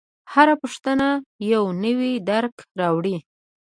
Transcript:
هره پوښتنه یو نوی درک راوړي.